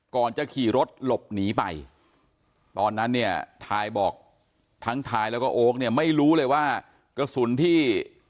ก่อนจะขี่รถหลบหนีไปตอนนั้นเนี่ยทายบอกทั้งทายแล้วก็โอ๊คเนี่ยไม่รู้เลยว่ากระสุนที่